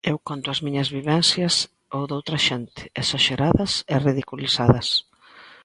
Eu conto as miñas vivencias, ou doutra xente, esaxeradas e ridiculizadas.